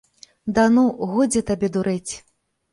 Да ну, годзе табе дурэць.